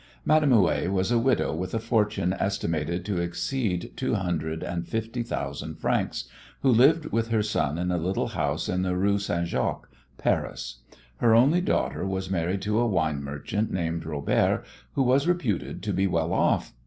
Madame Houet was a widow with a fortune estimated to exceed two hundred and fifty thousand francs, who lived with her son in a little house in the Rue St. Jacques, Paris. Her only daughter was married to a wine merchant named Robert, who was reputed to be well off.